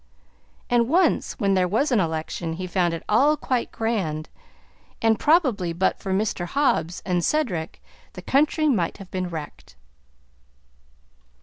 And once, when there was an election, he found it all quite grand, and probably but for Mr. Hobbs and Cedric the country might have been wrecked.